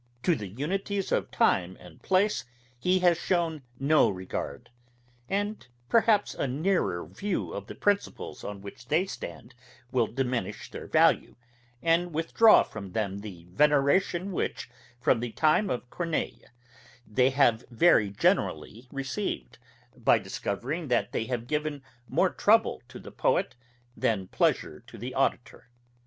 To the unities of time and place he has shewn no regard; and perhaps a nearer view of the principles on which they stand will diminish their value, and withdraw from them the veneration which, from the time of Corneille, they have very generally received, by discovering that they have given more trouble to the poet, than pleasure to the auditor.